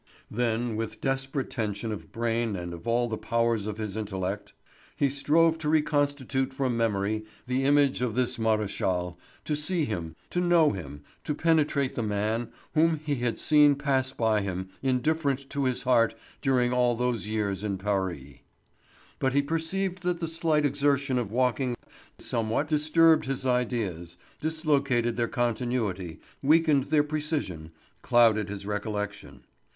Then, with desperate tension of brain and of all the powers of his intellect, he strove to reconstitute from memory the image of this Maréchal, to see him, to know him, to penetrate the man whom he had seen pass by him, indifferent to his heart during all those years in Paris. But he perceived that the slight exertion of walking somewhat disturbed his ideas, dislocated their continuity, weakened their precision, clouded his recollection.